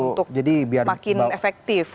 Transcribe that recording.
untuk makin efektif